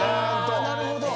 なるほど。